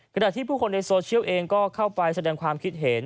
ขณะที่ผู้คนในโซเชียลเองก็เข้าไปแสดงความคิดเห็น